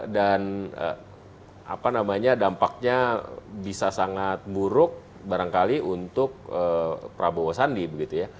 dan dampaknya bisa sangat buruk barangkali untuk prabowo sandi